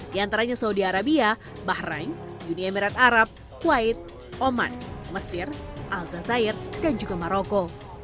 di antaranya saudi arabia bahrain uni emirat arab kuwait oman mesir al zazair dan juga maroko